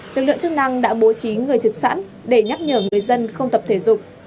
lực lượng chức năng đã bố trí người trực sẵn để nhắc nhở người dân không tập thể dục